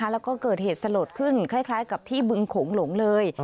แล้วก็เกิดเหตุสลดขึ้นคล้ายกับที่บึงโขงหลงเลย